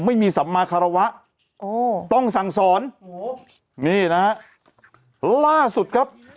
สัมมาคารวะโอ้ต้องสั่งสอนโอ้โหนี่นะฮะล่าสุดครับ